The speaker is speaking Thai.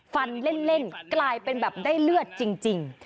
ฟันเล่นกลายเป็นแบบได้เลือดจริง